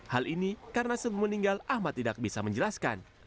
hal ini karena sebelum meninggal ahmad tidak bisa menjelaskan